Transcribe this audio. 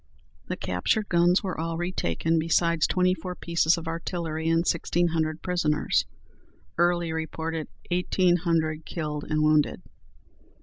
The captured guns were all retaken, besides twenty four pieces of artillery and sixteen hundred prisoners. Early reported eighteen hundred killed and wounded.